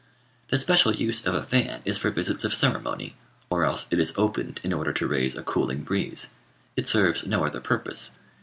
The special use of a fan is for visits of ceremony; or else it is opened in order to raise a cooling breeze: it serves no other purpose.